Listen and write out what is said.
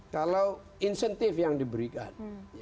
kalau insentif yang diberikan